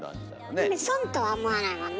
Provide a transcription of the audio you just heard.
損とは思わないもんね。